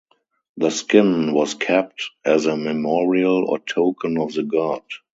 The skin was kept as a memorial or token of the god.